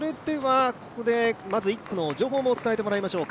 まず１区の情報も伝えてもらいましょう。